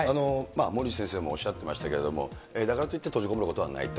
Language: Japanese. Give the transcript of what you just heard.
森内先生もおっしゃってましたけれども、だからといって閉じこもることはないと。